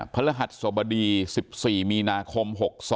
พระรหัสสบดี๑๔มีนาคม๖๒